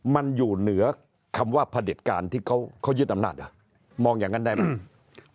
มันอยู่เหนือคำว่าพระเด็จการที่เขายึดอำนาจมองอย่างนั้นได้ไหม